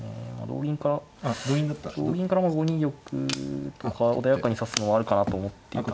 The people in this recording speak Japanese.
同銀から同銀から５二玉とか穏やかに指すのはあるかなと思って。